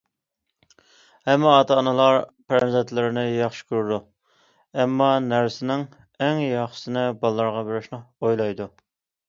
ھەممە ئاتا- ئانىلار پەرزەنتلىرىنى ياخشى كۆرىدۇ، ھەممە نەرسىنىڭ ئەڭ ياخشىسىنى بالىلىرىغا بېرىشنى ئويلايدۇ.